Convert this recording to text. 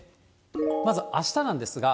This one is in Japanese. まずあしたなんですが。